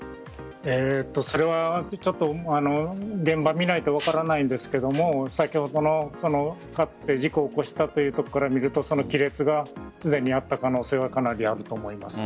それは現場を見ないと分からないんですけれども先程、かつて事故を起こしたというところから見ると亀裂がすでにあった可能性はかなりあると思います。